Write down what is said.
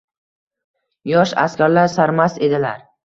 Yosh askarlar sarmast edilar